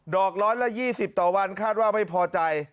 อกร้อยละ๒๐ต่อวันคาดว่าไม่พอใจ